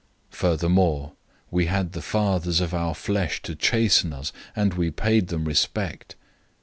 012:009 Furthermore, we had the fathers of our flesh to chasten us, and we paid them respect.